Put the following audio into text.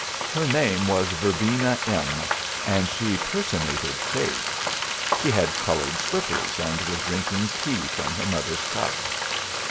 Her name was Verbena M., and she personated Faith. She had colored slippers, and was drinking tea from her mother's cup.